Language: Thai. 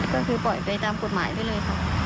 ก็คือปล่อยไปตามกฎหมายไปเลยค่ะ